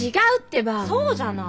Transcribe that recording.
そうじゃない。